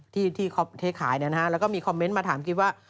ที่เขาเทขายแล้วก็มีคอมเมนต์มาถามกิฟต์ว่า